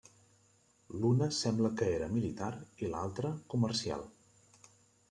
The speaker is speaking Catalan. L'una sembla que era militar i l'altra comercial.